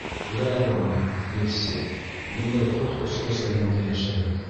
Күрәһегеҙме, Ливси, ниндәй ҡот осҡос заманда йәшәйбеҙ!